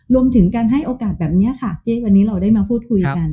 รวมถึงการให้โอกาสแบบนี้ค่ะที่วันนี้เราได้มาพูดคุยกัน